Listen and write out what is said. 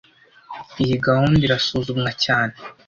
Iyi gahunda irasuzumwa cyane